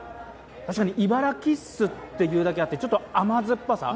確かにいばらキッスっていうだけあってちょっと甘酸っぱさ。